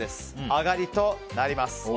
あがりとなります。